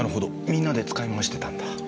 みんなで使い回してたんだ。